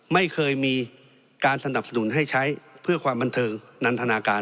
ไม่เคยมีการสนับสนุนให้ใช้เพื่อความบันเทิงนันทนาการ